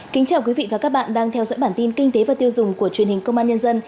kính chào quý vị và các bạn đang theo dõi bản tin kinh tế và tiêu dùng của truyền hình công an nhân dân